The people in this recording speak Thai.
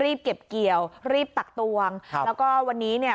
รีบเก็บเกี่ยวรีบตักตวงครับแล้วก็วันนี้เนี่ย